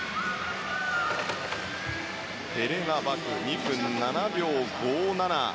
ヘレナ・バク、２分７秒５７。